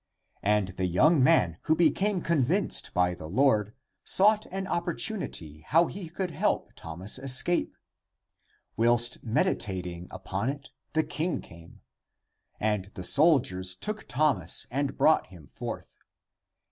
And the young man, who became con vinced by the Lord, sought an opportunity how he could help Thomas escape. Whilst meditating upon it, the king came. And the soldiers took Thomas and brought him forth.